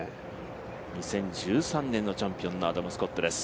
２０１３年のチャンピオンのアダム・スコットです。